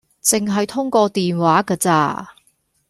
淨係通過電話架咋